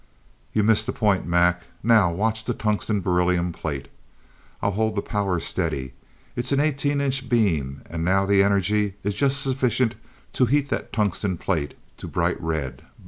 "You missed the point, Mac. Now watch that tungsten beryllium plate. I'll hold the power steady. It's an eighteen inch beam and now the energy is just sufficient to heat that tungsten plate to bright red.